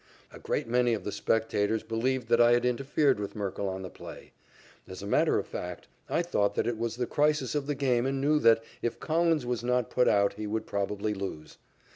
A great many of the spectators believed that I had interfered with Merkle on the play. As a matter of fact, I thought that it was the crisis of the game and knew that, if Collins was not put out, we would probably lose.